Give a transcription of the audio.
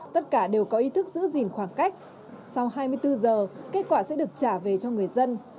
tất cả đều có ý thức giữ gìn khoảng cách sau hai mươi bốn giờ kết quả sẽ được trả về cho người dân